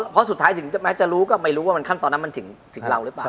เพราะสุดท้ายถึงแม้จะรู้ก็ไม่รู้ว่ามันขั้นตอนนั้นมันถึงเราหรือเปล่า